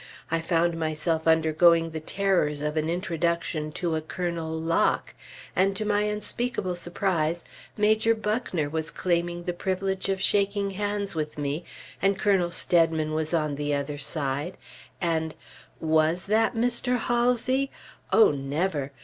I found myself undergoing the terrors of an introduction to a Colonel Locke, and to my unspeakable surprise, Major Buckner was claiming the privilege of shaking hands with me, and Colonel Steadman was on the other side, and was that Mr. Halsey? O never!